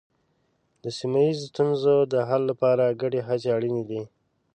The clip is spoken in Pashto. د سیمه ییزو ستونزو د حل لپاره ګډې هڅې اړینې دي.